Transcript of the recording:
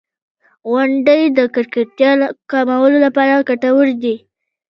• غونډۍ د ککړتیا کمولو لپاره ګټورې دي.